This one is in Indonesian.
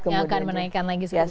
yang akan menaikkan lagi